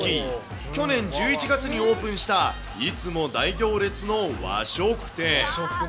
去年１１月にオープンした、いつも大行列の和食店。